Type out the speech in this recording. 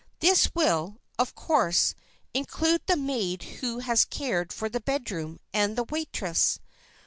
This will, of course, include the maid who has cared for the bedroom, and the waitress.